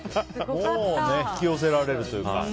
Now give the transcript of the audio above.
もう、引き寄せられるというか。